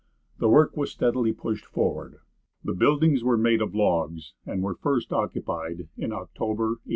The work was steadily pushed forward. The buildings were made of logs, and were first occupied in October, 1822.